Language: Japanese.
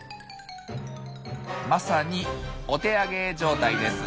まさにお手上げ状態です。